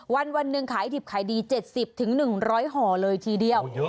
วันหนึ่งขายดิบขายดี๗๐๑๐๐ห่อเลยทีเดียว